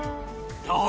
どう？